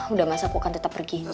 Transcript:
udah mas aku akan tetap pergi